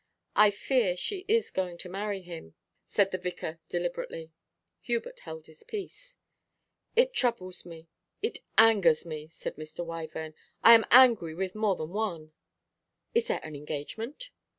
'I fear she is going to marry him,' said the vicar deliberately. Hubert held his peace. 'It troubles me. It angers me,' said Mr. Wyvern. 'I am angry with more than one.' 'Is there an engagement?